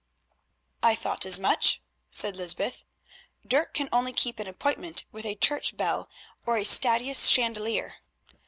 "I thought as much," said Lysbeth. "Dirk can only keep an appointment with a church bell or a stadhuis chandelier."